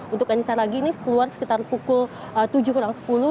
untuk enisa raghi ini keluar sekitar pukul tujuh sepuluh